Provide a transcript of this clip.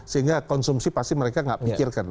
sehingga konsumsi pasti mereka nggak pikirkan